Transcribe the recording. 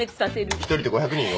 １人で５００人を？